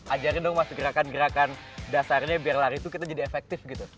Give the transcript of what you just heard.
ajarin dong mas gerakan gerakan dasarnya biar lari itu kita jadi efektif gitu